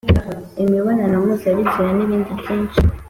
imibonano mpuzabitsina, nibindi byinshi